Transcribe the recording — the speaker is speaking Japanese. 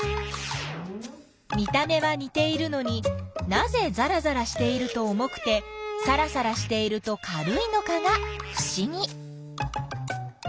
見た目はにているのになぜざらざらしていると重くてさらさらしていると軽いのかがふしぎ。